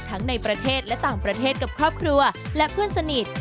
ในประเทศและต่างประเทศกับครอบครัวและเพื่อนสนิท